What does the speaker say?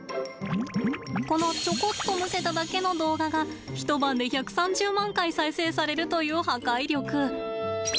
このちょこっとむせただけの動画が一晩で１３０万回再生されるという破壊力。